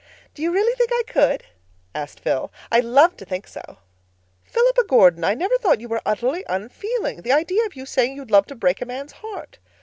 "Do you really think I could?" asked Phil. "I'd love to think so." "Philippa Gordon! I never thought you were utterly unfeeling. The idea of you saying you'd love to break a man's heart!"